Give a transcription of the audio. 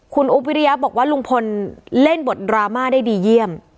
คุณอุ๊บวิริยะบอกว่าลุงพลเล่นบทดราม่าได้ดีเยี่ยม